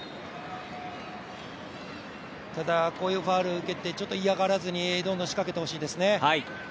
ただ、こういうファウルを受けて、嫌がらずに、どんどん仕掛けてほしいですね。